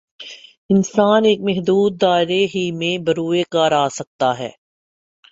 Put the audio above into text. انسان ایک محدود دائرے ہی میں بروئے کار آ سکتا ہے۔